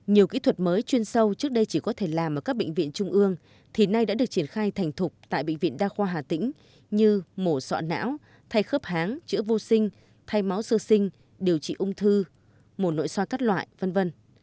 nhiều kỹ thuật mới chuyên sâu trước đây chỉ có thể làm ở các bệnh viện trung ương thì nay đã được triển khai thành thục tại bệnh viện đa khoa hà tĩnh như mổ xọ não thay khớp háng chữa vô sinh thay máu sơ sinh điều trị ung thư mổ nội soi các loại v v